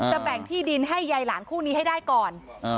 แบ่งที่ดินให้ยายหลานคู่นี้ให้ได้ก่อน